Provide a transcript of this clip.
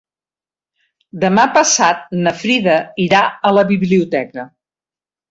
Demà passat na Frida irà a la biblioteca.